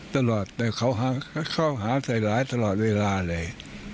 ตลอดแต่เขาเข้าหาใส่ร้ายตลอดเวลาเลย